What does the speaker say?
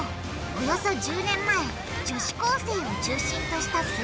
およそ１０年前女子高生を中心としたす